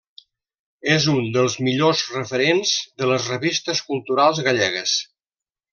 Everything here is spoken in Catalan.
És un dels millors referents de les revistes culturals gallegues.